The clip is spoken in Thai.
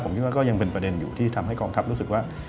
ผมคิดว่าก็ยังเป็นประเด็นอยู่ที่ทำให้กองทัพรู้สึกว่า